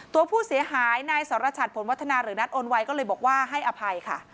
ตัวผู้เสียหายนายสรชัดผลวัฒนาหรือนัทโอนไวก็เลยบอกว่าให้อภัยค่ะ